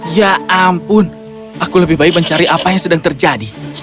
ya ampun aku lebih baik mencari apa yang sedang terjadi